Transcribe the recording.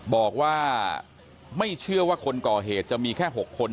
บอกว่าไม่เชื่อว่าคนก่อเหตุจะมีแค่๖คน